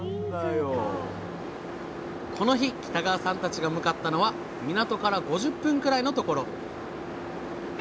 この日北川さんたちが向かったのは港から５０分くらいのところ。